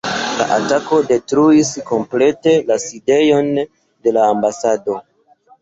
La atako detruis komplete la sidejon de la ambasado.